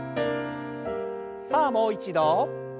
さあもう一度。